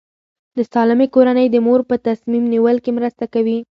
د سالمې کورنۍ د مور په تصمیم نیول کې مرسته کوي.